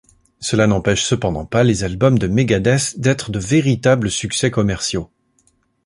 Cela n'empêche cependant pas les albums de Megadeth d'être de véritables succès commerciaux.